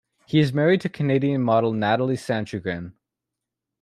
He is married to Canadian model Nathalie Sanschagrin.